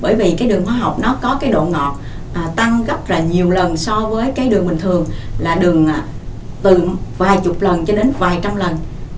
bởi vì cái đường hoa học nó có cái độ ngọt tăng gấp là nhiều lần so với cái đường bình thường là đường từ vài chục lần cho đến vài trăm lần